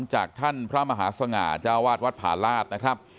จากท่านพระมหาสง่าเจ้าวาดวัดผาลาศนะครับ